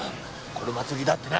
この祭りだってな。